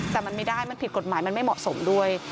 แต่มันไม่ได้มันผิดกฎหมายมันไม่เหมาะสมด้วย